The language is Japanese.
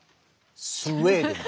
スウェーデンだ。